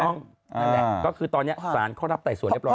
ถูกต้องนั่นแหละก็คือตอนนี้ศาลเข้ารับไต่สวนเรียบร้อยแล้ว